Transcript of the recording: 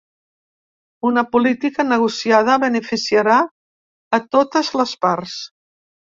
Una política negociada beneficiarà a totes les parts.